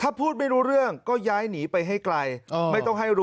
ถ้าพูดไม่รู้เรื่องก็ย้ายหนีไปให้ไกล